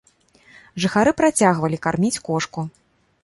Жыхары працягвалі карміць кошку.